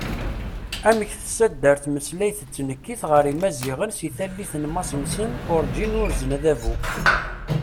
Amek tessader tmeslayt d tnekkit ɣas Imaziɣen, si tallit n Masnsen, urǧin uzren adabu!